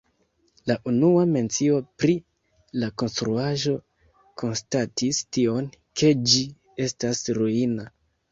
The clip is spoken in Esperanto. La unua mencio pri la konstruaĵo konstatis tion, ke ĝi estas ruina.